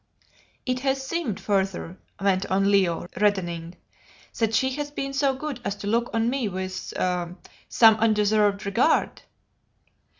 "It has seemed, further," went on Leo, reddening, "that she has been so good as to look on me with some undeserved regard."